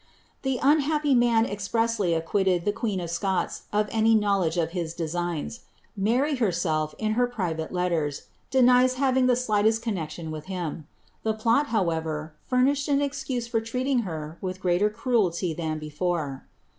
The iinhapp7 man expressly acquitted the qneen of Scots of any knowledge of his designs. Mary herself, in her private letters, denies baring the slightest connexion with him. The plot, however, furnished u excnse for treating her with greater cruelty than before.